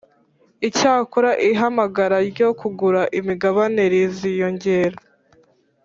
Icyakora Ihamagara Ryo Kugura Imigabane riziyongera